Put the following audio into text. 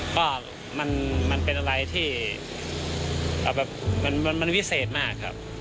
ก็มันเป็นอะไรที่มันวิเศษมากครับ